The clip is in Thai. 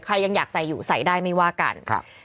ใครยังอยากใส่อยู่ใส่ได้ไม่ว่ากัน